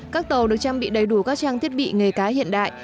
các tàu được trang bị đầy đủ các trang thiết bị nghề cá hiện đại